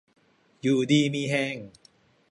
อยู่ดีมีแฮง